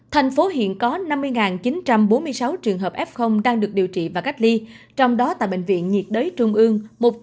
thành phố hiện có năm mươi chín trăm bốn mươi sáu trường hợp f đang được điều trị và cách ly trong đó tại bệnh viện nhiệt đới trung ương một trăm ba mươi ba